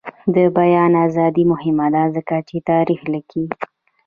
د بیان ازادي مهمه ده ځکه چې تاریخ لیکي.